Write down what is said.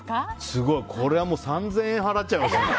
すごい、これは３０００円払っちゃいますね。